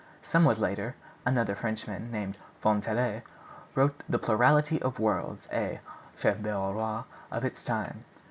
Somewhat later another Frenchman, named Fontenelle, wrote 'The Plurality of Worlds,' a chef d'œuvre of its time.